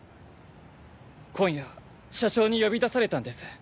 今夜社長に呼び出されたんです。